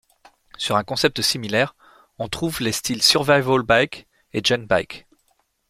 Sur un concept similaire, on trouve les styles survival bike et junk bike.